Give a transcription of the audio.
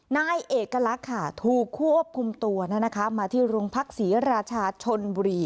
นายเอกลักษณ์ค่ะถูกควบคุมตัวมาที่โรงพักศรีราชาชนบุรี